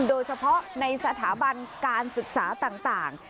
โดยเฉพาะในสถาบันการศึกษาต่าง